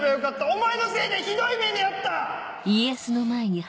「お前のせいでひどい目に遭った！」。